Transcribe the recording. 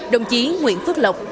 đồng chí nguyễn phước lộc